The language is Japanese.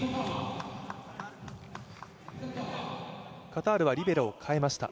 カタールはリベロを代えました。